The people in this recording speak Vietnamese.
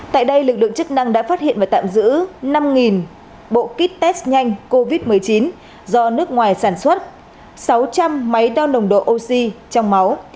tại đây lực lượng chức năng đã phát hiện và tạm giữ năm bộ kit test nhanh covid một mươi chín do nước ngoài sản xuất sáu trăm linh máy đo nồng độ oxy trong máu